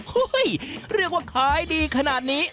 โห่หยเรียกว่าคล้ายดีขนาดนี้